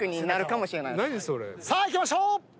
さあいきましょう。